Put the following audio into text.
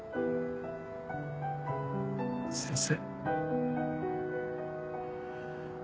先生。